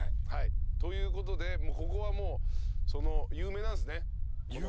ということでここはもう有名なんですね。